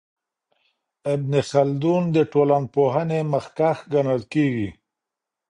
ابن خلدون د ټولنپوهنې مخکښ ګڼل کیږي.